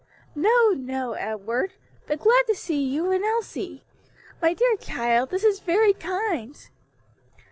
"No, no, Edward, but glad to see you and Elsie! my dear child, this is very kind."